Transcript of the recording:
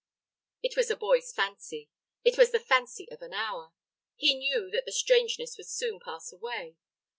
It was a boy's fancy. It was the fancy of an hour. He knew that the strangeness would soon pass away.